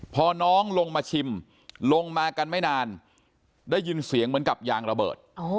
พอน้องลงมาชิมลงมากันไม่นานได้ยินเสียงเหมือนกับยางระเบิด